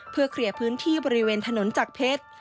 เพื่อเคลียร์พื้นที่บริเวณถนนจักรเพชร